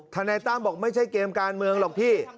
นายตั้มบอกไม่ใช่เกมการเมืองหรอกพี่